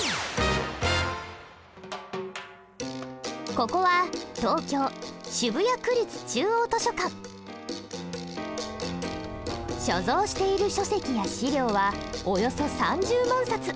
ここは東京所蔵している書籍や資料はおよそ３０万冊。